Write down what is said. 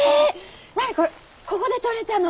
何これここでとれたの？